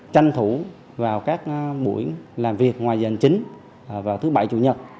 tranh thủ vào các buổi làm việc ngoài dành chính vào thứ bảy chủ nhật